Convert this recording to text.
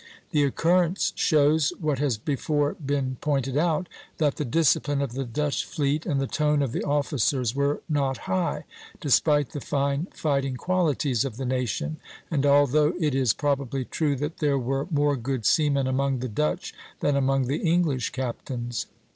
The occurrence shows, what has before been pointed out, that the discipline of the Dutch fleet and the tone of the officers were not high, despite the fine fighting qualities of the nation, and although it is probably true that there were more good seamen among the Dutch than among the English captains.